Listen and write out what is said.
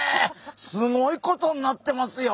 すごいことになってますよ。